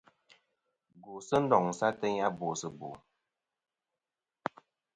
Gwosɨ ndoŋsɨ ateyn a bòsɨ bò.